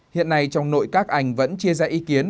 hiện nay trong nội các anh vẫn chia ra ý kiến